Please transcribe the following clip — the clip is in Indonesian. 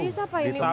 ini siapa ini